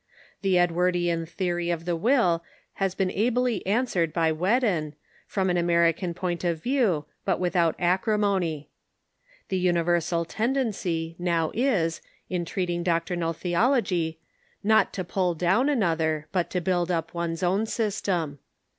The Edwardean theory of the Will has been ably answered by Whedon, from an Arminian point of view, but without acrimony. The luiiversal tendency now is, in treating doc trinal theology, not to pull down another, but to build up one's own system.